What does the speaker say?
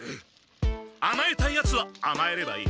あまえたいヤツはあまえればいい。